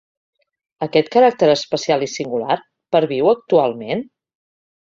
Aquest caràcter especial i singular, perviu actualment?